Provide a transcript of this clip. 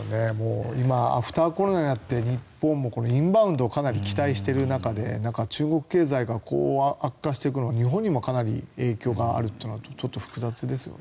今アフターコロナになって日本もインバウンドかなり期待している中で中国経済がこう悪化していくのは日本にもかなり影響があるというのはちょっと複雑ですよね。